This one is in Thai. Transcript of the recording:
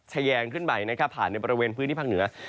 แชงขึ้นไปพาดในพื้นที่ภาคเหนือ